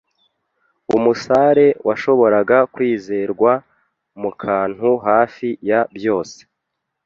umusare washoboraga kwizerwa mukantu hafi ya byose.